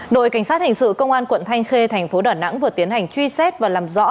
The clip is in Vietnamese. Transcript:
đội cảnh sát hình sự công an quận thanh khê thành phố đà nẵng vừa tiến hành truy xét và làm rõ